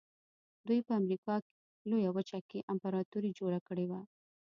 دوی په امریکا لویه وچه کې امپراتوري جوړه کړې وه.